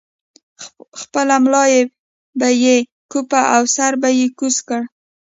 خپله ملا به یې کوپه او سر به یې کوز کړ.